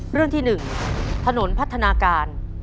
เรื่องที่๑ถนนพัฒนาการ